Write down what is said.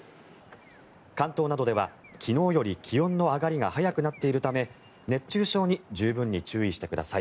関東などでは昨日より気温の上がりが早くなっているため熱中症に十分に注意してください。